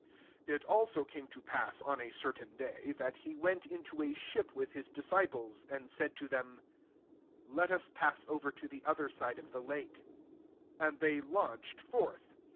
*' 22 It also came to pass, on a certain day, that he went into a ship with his disciples, and said to them, Let us pass over to the other side of the lak^'* 23 And they launched forth.